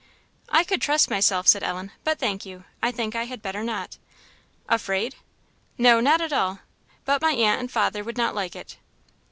"I could trust myself," said Ellen; "but, thank you, I think I had better not." "Afraid?" "No, not at all; but my aunt and father would not like it."